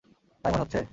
তাই মনে হচ্ছে?